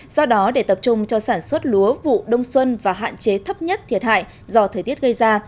do đó để tập trung cho sản xuất lúa vụ đông xuân và hạn chế thấp nhất thiệt hại do thời tiết gây ra